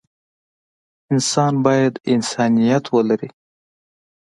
انسان بايد انسانيت ولري.